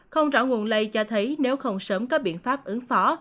không rõ nguồn lây cho thấy nếu không sớm có biện pháp ứng phó